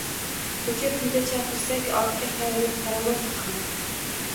Ko’cha-ko’yda chaqirsak, ortga qayrilib qaramasdi ham.